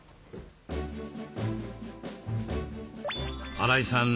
荒井さん